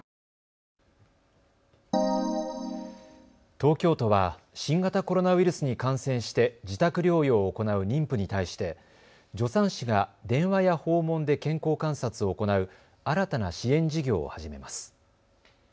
東京都は新型コロナウイルスに感染して自宅療養を行う妊婦に対して助産師が電話や訪問で健康観察を行う新たな支援事業を始めます。